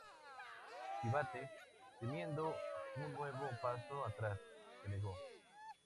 Sivatte, temiendo un nuevo paso atrás, se negó.